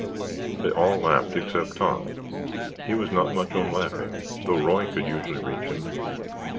They all laughed except Tom. He was not much on laughing, though Roy could usually reach him.